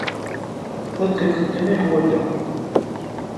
Tadqiqt kan ay ḥwajeɣ.